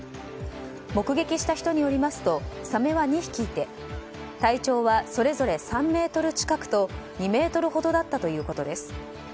目撃した人によりますとサメは２匹いて体長はそれぞれ３ｍ近くと２ｍほどだったということです。